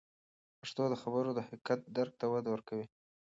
پښتو د خبرونو د حقیقت درک ته وده ورکوي.